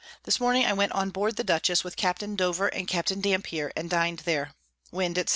This Morning I went on board the Dutchess, with Capt. Dover and Capt. Dampier, and din'd there. Wind at S.